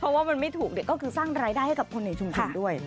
เพราะว่ามันไม่ถูกก็คือสร้างรายได้ให้กับคนในชุมชนด้วย